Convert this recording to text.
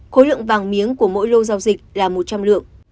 khối lượng vàng miếng của mỗi lô giao dịch là một trăm linh lượng